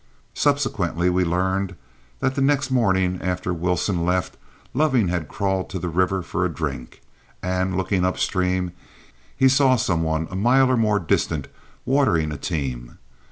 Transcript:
Subsequently we learned that the next morning after Wilson left Loving had crawled to the river for a drink, and, looking upstream, saw some one a mile or more distant watering a team.